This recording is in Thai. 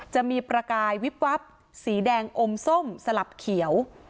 จะมีประกายวิบวับสีแดงอมส้มสลับเขียว